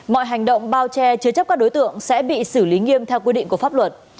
mọi hành động bao che chứa chấp các đối tượng sẽ bị xử lý nghiêm theo quy định của pháp luật